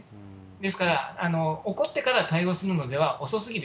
ですから、起こってから対応するのでは遅すぎる。